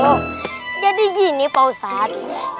oh jadi gini pak ustadz